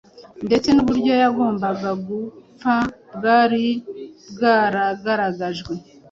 Ndetse n’uburyo yagombaga gupfa bwari bwaragaragajwe.